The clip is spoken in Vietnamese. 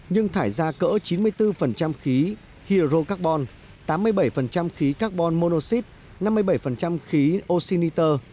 nhưng thải ra cỡ chín mươi bốn khí hydrocarbon tám mươi bảy khí carbon monoxide năm mươi bảy khí oxyneter